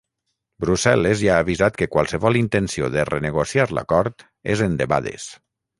Brussel·les ja ha avisat que qualsevol intenció de renegociar l’acord és endebades.